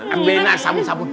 ambilin lah sabun sabun